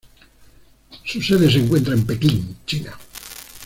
Su sede se encuentra Pekin, China.